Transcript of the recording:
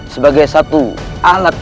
sebagai satu alat